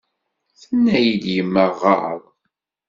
Tenna-yi-d yemma ɣeṛ.